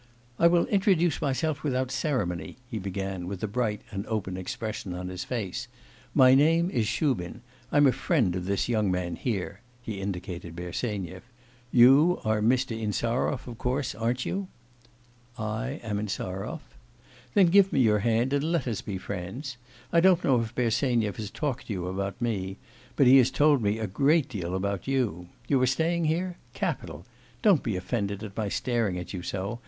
'I will introduce myself without ceremony,' he began with a bright and open expression on his face. 'My name is Shubin; I'm a friend of this young man here' (he indicated Bersenyev). 'You are Mr. Insarov, of course, aren't you?' 'I am Insarov.' 'Then give me your hand and let us be friends. I don't know if Bersenyev has talked to you about me, but he has told me a great deal about you. You are staying here? Capital! Don't be offended at my staring at you so.